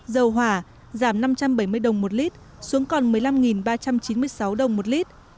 dầu hỏa giảm năm trăm bảy mươi đồng một lít xuống còn một mươi năm ba trăm chín mươi sáu đồng một lít